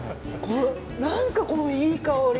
なんですか、このいい香り。